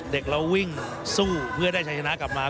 เด็กเราวิ่งสู้เพื่อได้ชัยชนะกลับมา